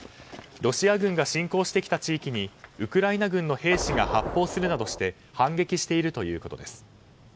ロシア軍が侵攻してきた地域にウクライナ軍の兵士が発砲するなどして反撃しているということです。